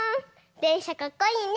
でんしゃかっこいいね！